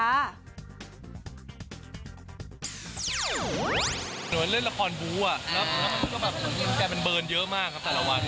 พี่เต๋าเรียกว่าเซนเปียสเซคซีไปไหมคะ